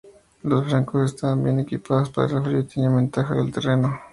Los francos estaban bien equipados para el frío y tenían la ventaja del terreno.